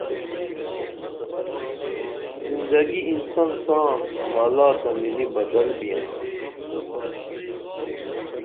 زندگی انسن ساں حالاتہ مِلی بدل بیاں